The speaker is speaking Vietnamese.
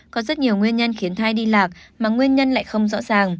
có rất nhiều nguyên nhân khiến thai đi lạc mà nguyên nhân lại không rõ ràng